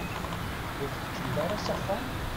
Ur tkeččmeḍ ara s axxam?